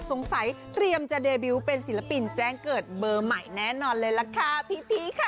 เตรียมจะเดบิวต์เป็นศิลปินแจ้งเกิดเบอร์ใหม่แน่นอนเลยล่ะค่ะพี่ค่ะ